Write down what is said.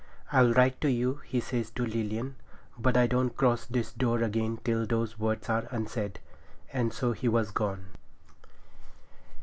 'I'll write to you,' he says to Lilian, 'but I don't cross this door again till those words are unsaid,' and so he was gone.